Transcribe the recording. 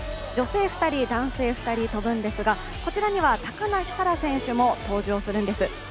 女性２人、男性２人飛ぶんですがこちらには高梨沙羅選手も登場するんです。